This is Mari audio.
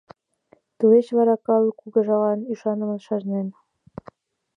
Тылеч вара калык кугыжалан ӱшанымым чарнен.